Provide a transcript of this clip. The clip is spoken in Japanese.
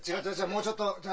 もうちょっと。